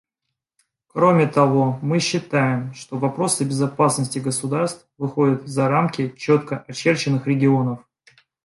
Кроме того, мы считаем, что вопросы безопасности государств выходят за рамки четко очерченных регионов.